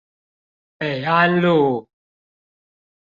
北安路